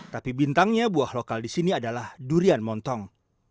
tapi bintangnya buah lokal di sini adalah durian montong